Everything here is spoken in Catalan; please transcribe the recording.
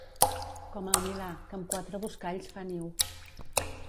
Com el milà, que amb quatre buscalls fa niu.